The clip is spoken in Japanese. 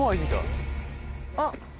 あっ。